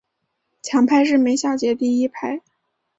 强拍是每小节第一拍。